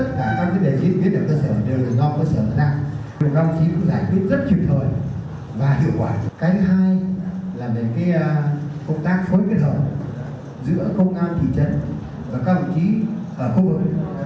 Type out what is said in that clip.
cái công tác phối kết hợp giữa công an thị trấn và các đồng chí ở khu vực cũng cần phối hợp chặt chẽ với các khu phố các thương bản